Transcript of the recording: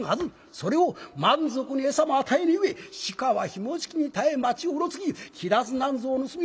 それを満足に餌も与えぬゆえ鹿はひもじきに耐え町をうろつききらずなんぞを盗み食ろうたに